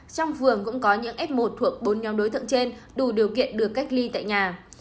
trong vườn cũng có những f một thuộc bốn nhóm đối tượng trên đủ điều kiện được cách ly tại nhà